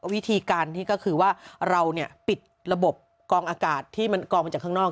วิธีการที่ก็คือว่าเราปิดระบบกองอากาศที่มันกองมาจากข้างนอก